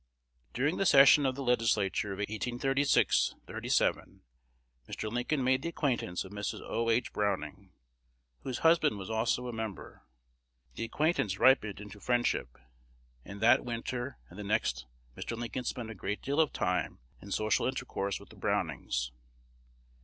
During the session of the Legislature of 1886 7, Mr. Lincoln made the acquaintance of Mrs. O. H. Browning, whose husband was also a member. The acquaintance ripened into friendship, and that winter and the next Mr. Lincoln spent a great deal of time in social intercourse with the Brownings.